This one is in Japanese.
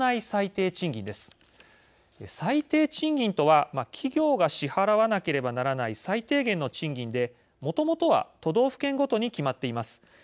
最低賃金とは企業が支払わなければならない最低限の賃金で、もともとは都道府県ごとに決まっています。